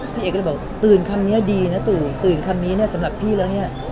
พี่เอกก็เลยบอกตื่นคำนี้ดีนะตู่ตื่นคำนี้เนี่ยสำหรับพี่แล้วเนี่ย